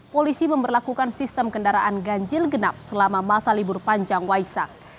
polisi memperlakukan sistem kendaraan ganjil genap selama masa libur panjang waisak